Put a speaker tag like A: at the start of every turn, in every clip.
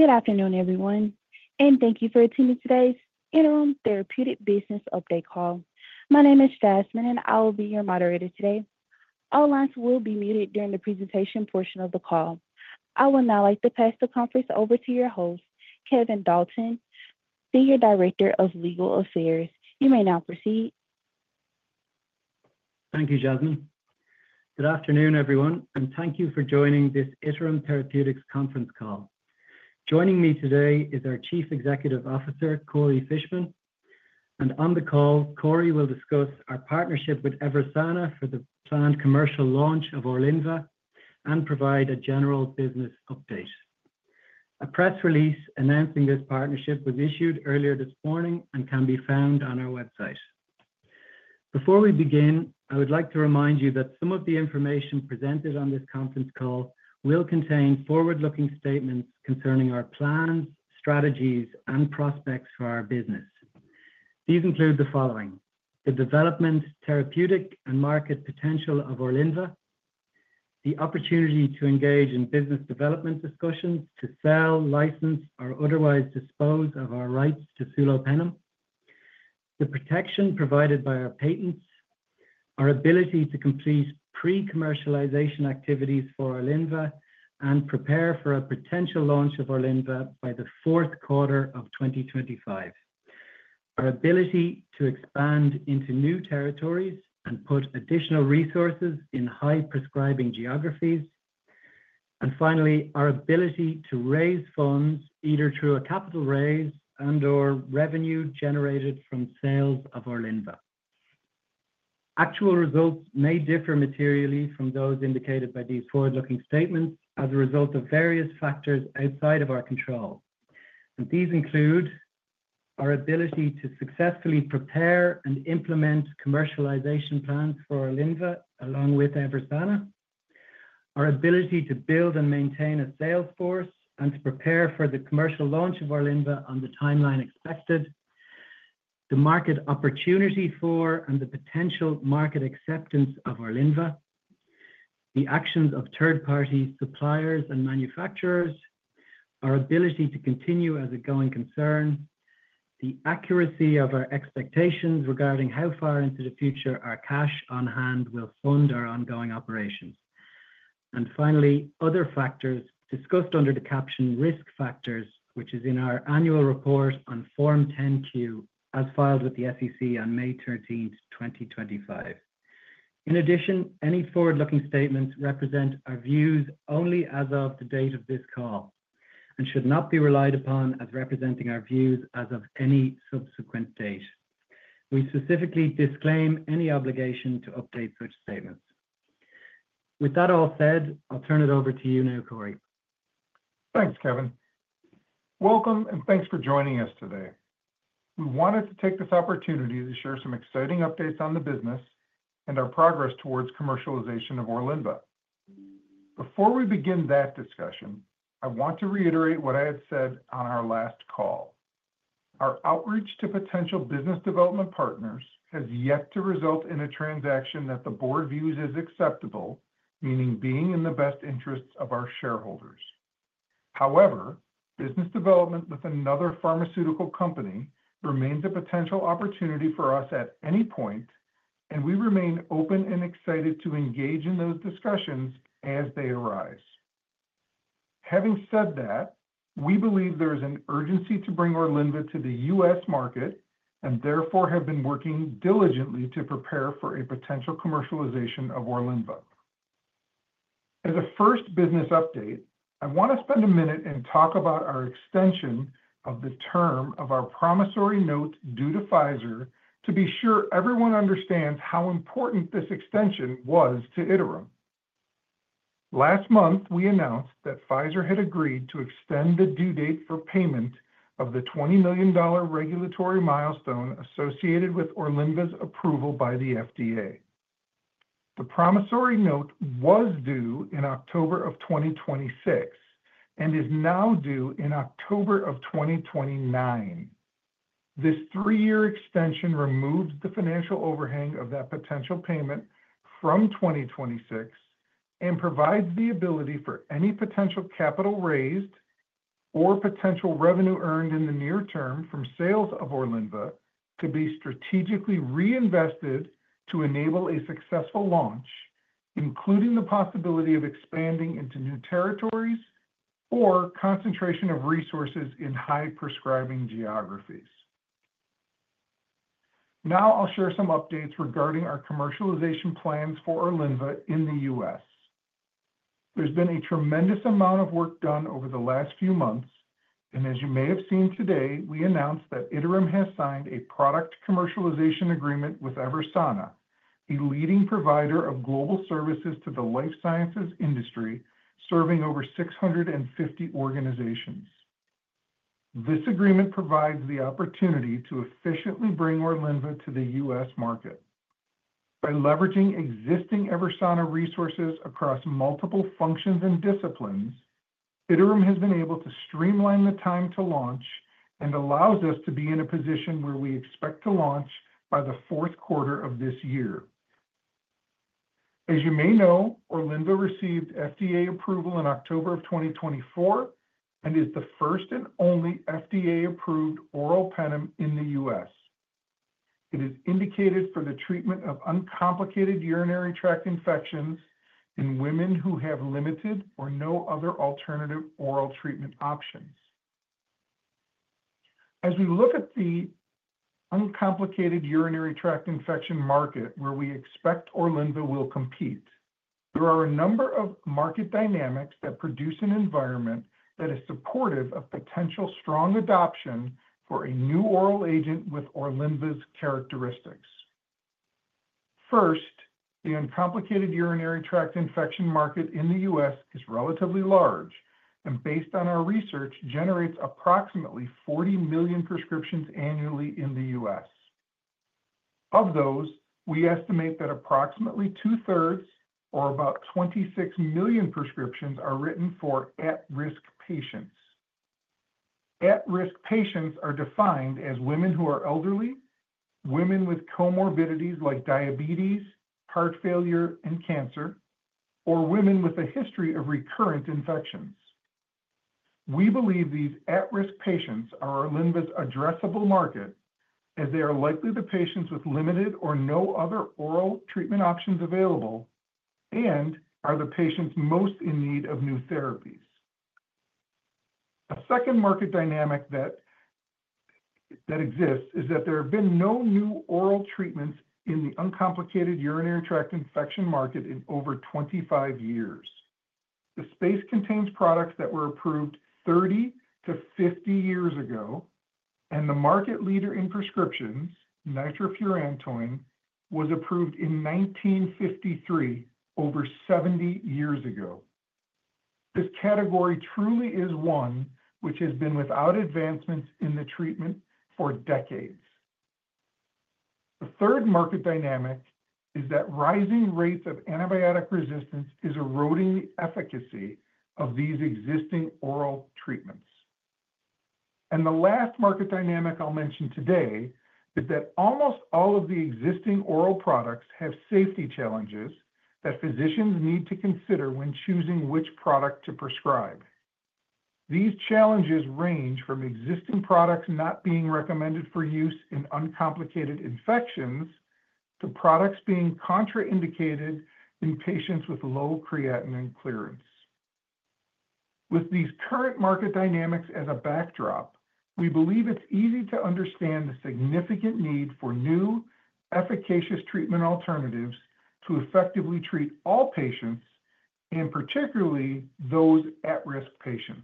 A: Good afternoon, everyone, and thank you for attending today's Iterum Therapeutics Business Update call. My name is Jasmine, and I will be your moderator today. All lines will be muted during the presentation portion of the call. I would now like to pass the conference over to your host, Kevin Dalton, Senior Director of Legal Affairs. You may now proceed.
B: Thank you, Jasmine. Good afternoon, everyone, and thank you for joining this Iterum Therapeutics Conference Call. Joining me today is our Chief Executive Officer, Corey Fishman, and on the call, Corey will discuss our partnership with Eversana for the planned commercial launch of Orlynvah and provide a general business update. A press release announcing this partnership was issued earlier this morning and can be found on our website. Before we begin, I would like to remind you that some of the information presented on this conference call will contain forward-looking statements concerning our plans, strategies, and prospects for our business. These include the following: the development, therapeutic, and market potential of Orlynvah, the opportunity to engage in business development discussions to sell, license, or otherwise dispose of our rights to psilopenem, the protection provided by our patents, our ability to complete pre-commercialization activities for Orlynvah and prepare for a potential launch of Orlynvah by the fourth quarter of 2025, our ability to expand into new territories and put additional resources in high-prescribing geographies, and finally, our ability to raise funds either through a capital raise and/or revenue generated from sales of Orlynvah. Actual results may differ materially from those indicated by these forward-looking statements as a result of various factors outside of our control, and these include our ability to successfully prepare and implement commercialization plans for Orlynvah along with Eversana, our ability to build and maintain a sales force and to prepare for the commercial launch of Orlynvah on the timeline expected, the market opportunity for and the potential market acceptance of Orlynvah, the actions of third-party suppliers and manufacturers, our ability to continue as a going concern, the accuracy of our expectations regarding how far into the future our cash on hand will fund our ongoing operations, and finally, other factors discussed under the caption "Risk Factors," which is in our annual report on Form 10Q as filed with the SEC on May 13, 2025. In addition, any forward-looking statements represent our views only as of the date of this call and should not be relied upon as representing our views as of any subsequent date. We specifically disclaim any obligation to update such statements. With that all said, I'll turn it over to you now, Corey.
C: Thanks, Kevin. Welcome, and thanks for joining us today. We wanted to take this opportunity to share some exciting updates on the business and our progress towards commercialization of Orlynvah. Before we begin that discussion, I want to reiterate what I had said on our last call. Our outreach to potential business development partners has yet to result in a transaction that the board views as acceptable, meaning being in the best interests of our shareholders. However, business development with another pharmaceutical company remains a potential opportunity for us at any point, and we remain open and excited to engage in those discussions as they arise. Having said that, we believe there is an urgency to bring Orlynvah to the U.S. market and therefore have been working diligently to prepare for a potential commercialization of Orlynvah. As a first business update, I want to spend a minute and talk about our extension of the term of our promissory note due to Pfizer to be sure everyone understands how important this extension was to Iterum. Last month, we announced that Pfizer had agreed to extend the due date for payment of the $20 million regulatory milestone associated with Orlynvah's approval by the FDA. The promissory note was due in October of 2026 and is now due in October of 2029. This three-year extension removes the financial overhang of that potential payment from 2026 and provides the ability for any potential capital raised or potential revenue earned in the near term from sales of Orlynvah to be strategically reinvested to enable a successful launch, including the possibility of expanding into new territories or concentration of resources in high-prescribing geographies. Now I'll share some updates regarding our commercialization plans for Orlynvah in the U.S. There's been a tremendous amount of work done over the last few months, and as you may have seen today, we announced that Iterum has signed a product commercialization agreement with Eversana, a leading provider of global services to the life sciences industry serving over 650 organizations. This agreement provides the opportunity to efficiently bring Orlynvah to the U.S. market. By leveraging existing Eversana resources across multiple functions and disciplines, Iterum has been able to streamline the time to launch and allows us to be in a position where we expect to launch by the fourth quarter of this year. As you may know, Orlynvah received FDA approval in October 2024 and is the first and only FDA-approved oral penem in the U.S. It is indicated for the treatment of uncomplicated urinary tract infections in women who have limited or no other alternative oral treatment options. As we look at the uncomplicated urinary tract infection market where we expect Orlynvah will compete, there are a number of market dynamics that produce an environment that is supportive of potential strong adoption for a new oral agent with Orlynvah's characteristics. First, the uncomplicated urinary tract infection market in the U.S. is relatively large and, based on our research, generates approximately 40 million prescriptions annually in the U.S. Of those, we estimate that approximately two-thirds, or about 26 million prescriptions, are written for at-risk patients. At-risk patients are defined as women who are elderly, women with comorbidities like diabetes, heart failure, and cancer, or women with a history of recurrent infections. We believe these at-risk patients are Orlynvah's addressable market, as they are likely the patients with limited or no other oral treatment options available and are the patients most in need of new therapies. A second market dynamic that exists is that there have been no new oral treatments in the uncomplicated urinary tract infection market in over 25 years. The space contains products that were approved 30 to 50 years ago, and the market leader in prescriptions, nitrofurantoin, was approved in 1953, over 70 years ago. This category truly is one which has been without advancements in the treatment for decades. The third market dynamic is that rising rates of antibiotic resistance are eroding the efficacy of these existing oral treatments. The last market dynamic I'll mention today is that almost all of the existing oral products have safety challenges that physicians need to consider when choosing which product to prescribe. These challenges range from existing products not being recommended for use in uncomplicated infections to products being contraindicated in patients with low creatinine clearance. With these current market dynamics as a backdrop, we believe it's easy to understand the significant need for new, efficacious treatment alternatives to effectively treat all patients, and particularly those at-risk patients.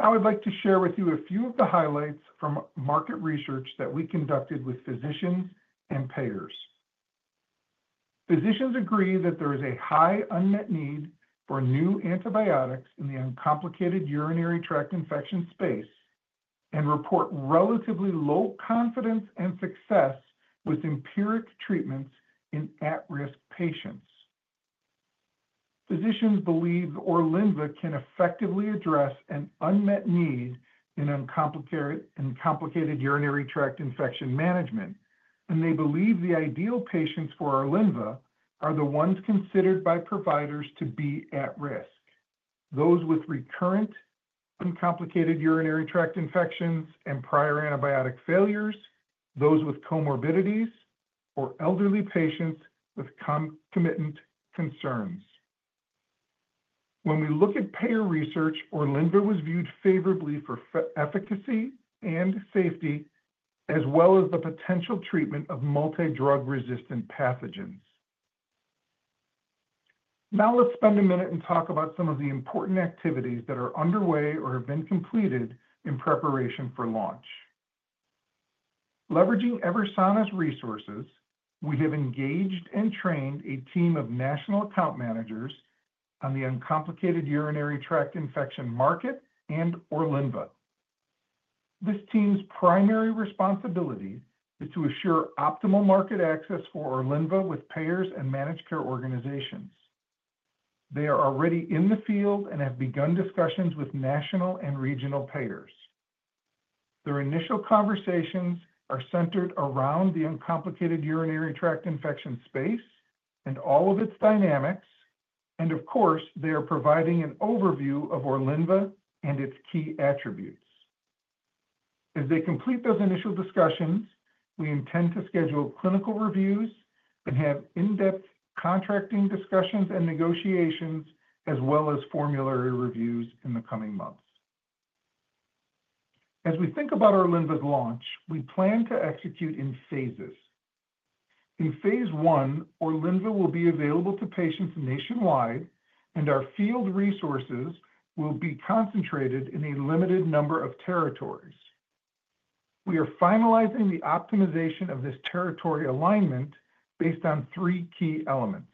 C: Now I'd like to share with you a few of the highlights from market research that we conducted with physicians and payers. Physicians agree that there is a high unmet need for new antibiotics in the uncomplicated urinary tract infection space and report relatively low confidence and success with empiric treatments in at-risk patients. Physicians believe Orlynvah can effectively address an unmet need in uncomplicated urinary tract infection management, and they believe the ideal patients for Orlynvah are the ones considered by providers to be at risk: those with recurrent uncomplicated urinary tract infections and prior antibiotic failures, those with comorbidities, or elderly patients with concomitant concerns. When we look at payer research, Orlynvah was viewed favorably for efficacy and safety, as well as the potential treatment of multi-drug resistant pathogens. Now let's spend a minute and talk about some of the important activities that are underway or have been completed in preparation for launch. Leveraging Eversana's resources, we have engaged and trained a team of national account managers on the uncomplicated urinary tract infection market and Orlynvah. This team's primary responsibility is to assure optimal market access for Orlynvah with payers and managed care organizations. They are already in the field and have begun discussions with national and regional payers. Their initial conversations are centered around the uncomplicated urinary tract infection space and all of its dynamics, and of course, they are providing an overview of Orlynvah and its key attributes. As they complete those initial discussions, we intend to schedule clinical reviews and have in-depth contracting discussions and negotiations, as well as formulary reviews, in the coming months. As we think about Orlynvah's launch, we plan to execute in phases. In phase one, Orlynvah will be available to patients nationwide, and our field resources will be concentrated in a limited number of territories. We are finalizing the optimization of this territory alignment based on three key elements.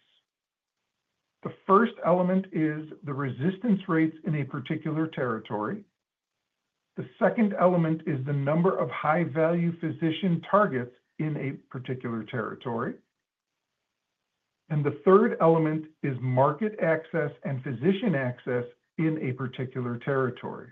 C: The first element is the resistance rates in a particular territory. The second element is the number of high-value physician targets in a particular territory. The third element is market access and physician access in a particular territory.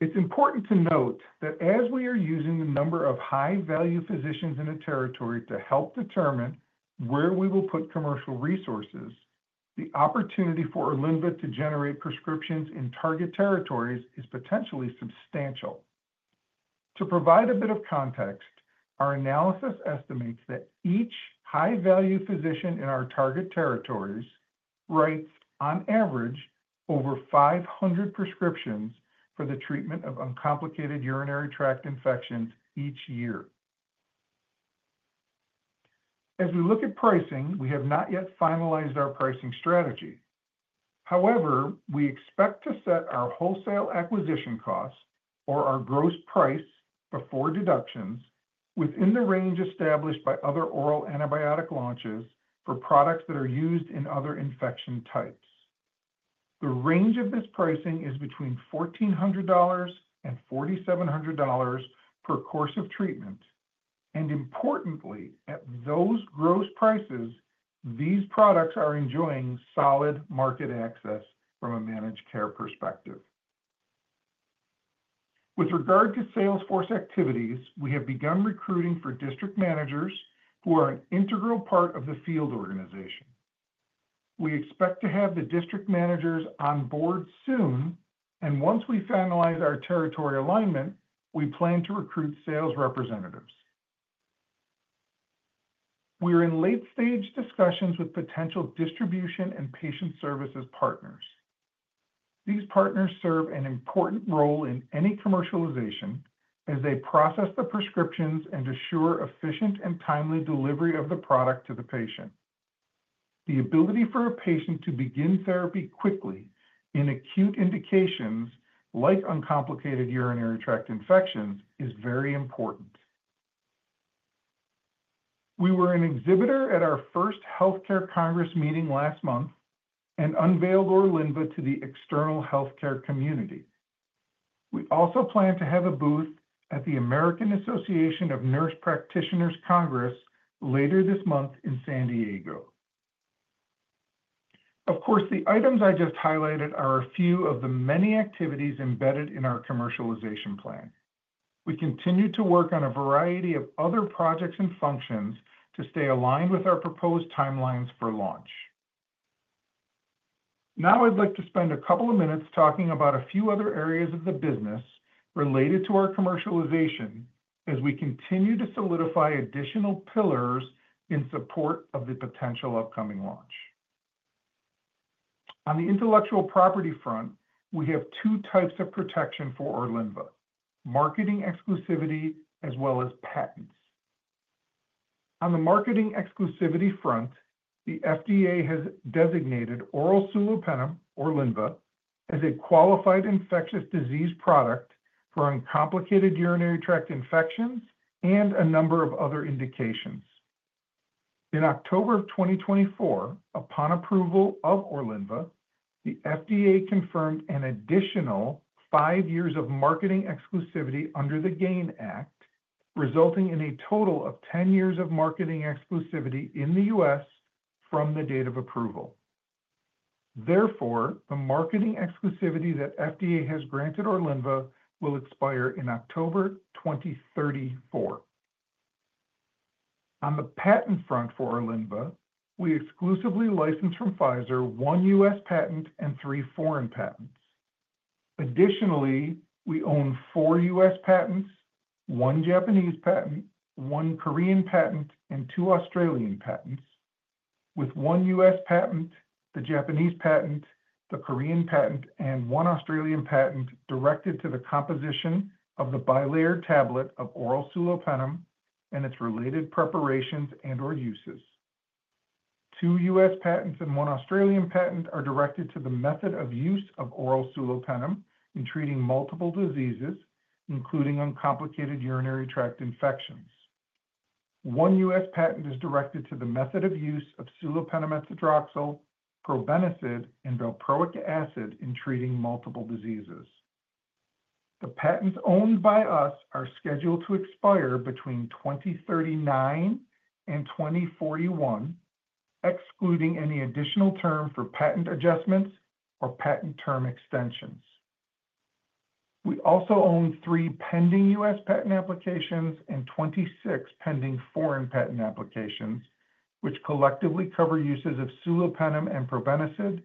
C: It's important to note that as we are using the number of high-value physicians in a territory to help determine where we will put commercial resources, the opportunity for Orlynvah to generate prescriptions in target territories is potentially substantial. To provide a bit of context, our analysis estimates that each high-value physician in our target territories writes, on average, over 500 prescriptions for the treatment of uncomplicated urinary tract infections each year. As we look at pricing, we have not yet finalized our pricing strategy. However, we expect to set our wholesale acquisition costs, or our gross price before deductions, within the range established by other oral antibiotic launches for products that are used in other infection types. The range of this pricing is between $1,400 and $4,700 per course of treatment. Importantly, at those gross prices, these products are enjoying solid market access from a managed care perspective. With regard to Salesforce activities, we have begun recruiting for district managers who are an integral part of the field organization. We expect to have the district managers on board soon, and once we finalize our territory alignment, we plan to recruit sales representatives. We are in late-stage discussions with potential distribution and patient services partners. These partners serve an important role in any commercialization, as they process the prescriptions and assure efficient and timely delivery of the product to the patient. The ability for a patient to begin therapy quickly in acute indications like uncomplicated urinary tract infections is very important. We were an exhibitor at our first Healthcare Congress meeting last month and unveiled Orlynvah to the external healthcare community. We also plan to have a booth at the American Association of Nurse Practitioners Congress later this month in San Diego. Of course, the items I just highlighted are a few of the many activities embedded in our commercialization plan. We continue to work on a variety of other projects and functions to stay aligned with our proposed timelines for launch. Now I'd like to spend a couple of minutes talking about a few other areas of the business related to our commercialization as we continue to solidify additional pillars in support of the potential upcoming launch. On the intellectual property front, we have two types of protection for Orlynvah: marketing exclusivity as well as patents. On the marketing exclusivity front, the FDA has designated oral sulopenem, Orlynvah, as a qualified infectious disease product for uncomplicated urinary tract infections and a number of other indications. In October of 2024, upon approval of Orlynvah, the FDA confirmed an additional five years of marketing exclusivity under the GAIN Act, resulting in a total of 10 years of marketing exclusivity in the U.S. from the date of approval. Therefore, the marketing exclusivity that FDA has granted Orlynvah will expire in October 2034. On the patent front for Orlynvah, we exclusively license from Pfizer one U.S. patent and three foreign patents. Additionally, we own four U.S. patents, one Japanese patent, one Korean patent, and two Australian patents, with one U.S. patent, the Japanese patent, the Korean patent, and one Australian patent directed to the composition of the bilayered tablet of oral sulopenem and its related preparations and/or uses. Two U.S. patents and one Australian patent are directed to the method of use of oral sulopenem in treating multiple diseases, including uncomplicated urinary tract infections. One U.S. patent is directed to the method of use of sulopenem, probenecid, and valproic acid in treating multiple diseases. The patents owned by us are scheduled to expire between 2039 and 2041, excluding any additional term for patent adjustments or patent term extensions. We also own three pending U.S. patent applications and 26 pending foreign patent applications, which collectively cover uses of sulopenem and probenecid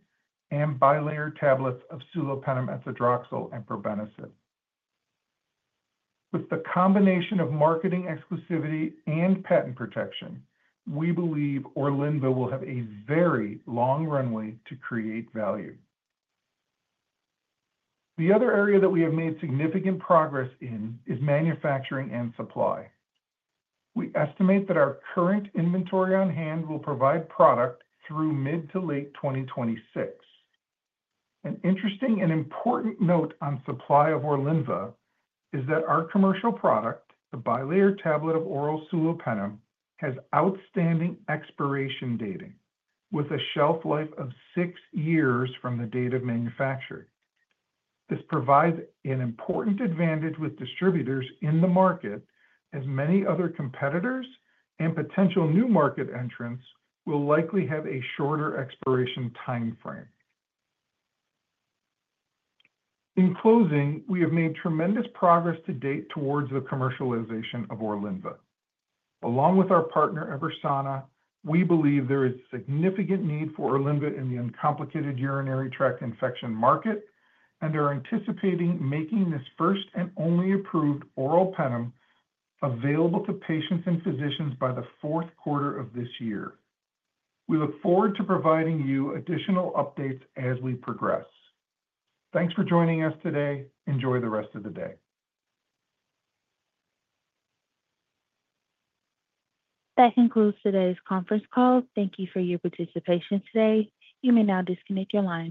C: and bilayered tablets of sulopenem and probenecid. With the combination of marketing exclusivity and patent protection, we believe Orlynvah will have a very long runway to create value. The other area that we have made significant progress in is manufacturing and supply. We estimate that our current inventory on hand will provide product through mid- to late 2026. An interesting and important note on supply of Orlynvah is that our commercial product, the bilayered tablet of oral sulopenem, has outstanding expiration dating, with a shelf life of six years from the date of manufacture. This provides an important advantage with distributors in the market, as many other competitors and potential new market entrants will likely have a shorter expiration timeframe. In closing, we have made tremendous progress to date towards the commercialization of Orlynvah. Along with our partner Eversana, we believe there is significant need for Orlynvah in the uncomplicated urinary tract infection market, and are anticipating making this first and only approved oral penem available to patients and physicians by the fourth quarter of this year. We look forward to providing you additional updates as we progress. Thanks for joining us today. Enjoy the rest of the day. That concludes today's conference call.
A: Thank you for your participation today. You may now disconnect your line.